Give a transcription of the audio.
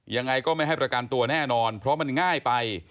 ยังไงก็ไม่ให้ประกันตัวแน่นอนเพราะมันง่ายไป